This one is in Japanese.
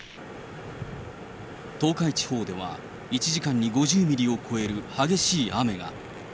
東海地方では１時間に５０ミリを超える激しい雨が。